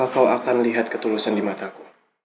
apa lagi sih